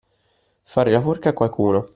Fare la forca a qualcuno.